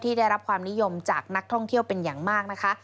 ได้รับความนิยมจากนักท่องเที่ยวเป็นอย่างมากนะคะ